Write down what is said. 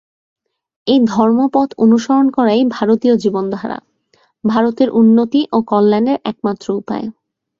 এই ধর্মপথ অনুসরণ করাই ভারতীয় জীবনধারা, ভারতের উন্নতি ও কল্যাণের একমাত্র উপায়।